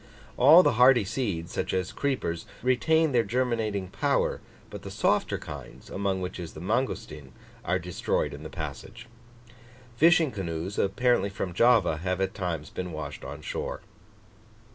All the hardy seeds, such as creepers, retain their germinating power, but the softer kinds, among which is the mangostin, are destroyed in the passage. Fishing canoes, apparently from Java, have at times been washed on shore."